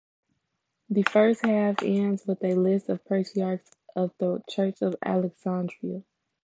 The first half ends with a list of Patriarchs of the church of Alexandria.